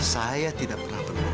saya tidak pernah berbohong